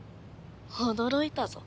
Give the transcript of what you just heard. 驚いたぞ。